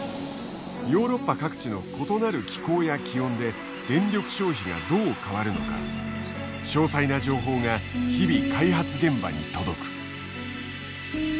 ヨーロッパ各地の異なる気候や気温で電力消費がどう変わるのか詳細な情報が日々開発現場に届く。